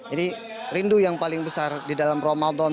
ini rindu yang paling besar di dalam ramadan